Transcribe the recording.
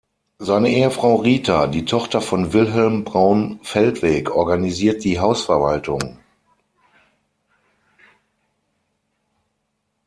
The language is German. Seine Ehefrau Rita, die Tochter von Wilhelm Braun-Feldweg, organisiert die Hausverwaltung.